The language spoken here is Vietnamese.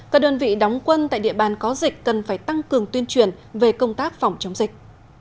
các đơn vị đóng quân tại địa bàn có dịch cần phải tăng cường tuyên truyền về công tác phòng chống dịch